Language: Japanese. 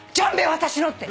私のって。